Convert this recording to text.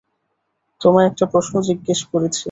তোমায় একটা প্রশ্ন জিজ্ঞেস করেছি।